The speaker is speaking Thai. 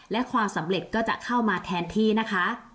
และความสำเร็จก็จะเข้ามาแทนที่นะคะ